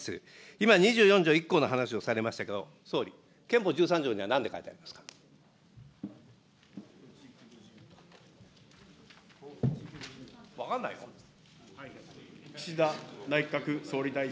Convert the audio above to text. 今２４条１項の話をされましたけれども、総理、憲法１３条にはな岸田内閣総理大臣。